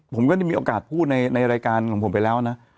ผมก็ได้มีโอกาสพูดในรายการของผมไปแล้วนะ